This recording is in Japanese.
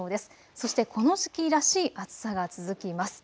そしてこの時期らしい暑さが続きます。